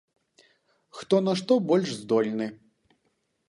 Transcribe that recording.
Хто на што больш здольны.